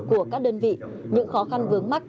của các đơn vị những khó khăn vướng mắt